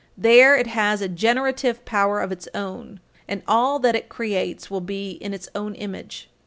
There it has a generative power of its own, and all that it creates will be in its own image.